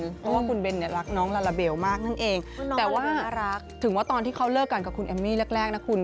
เพราะว่าคุณเบนเนี่ยรักน้องลาลาเบลมากนั่นเองแต่ว่าน่ารักถึงว่าตอนที่เขาเลิกกันกับคุณแอมมี่แรกนะคุณ